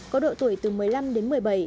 có độ tuổi từ một mươi năm đến một mươi bảy